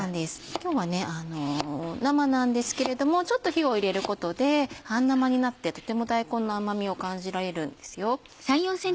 今日は生なんですけれどもちょっと火を入れることで半生になってとても大根の甘みを感じられるんですよ。